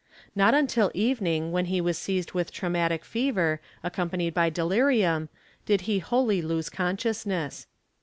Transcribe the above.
Not until evening when he was seized with trau 'mmatic fever accompanied by delirium did he wholly lose consciousness.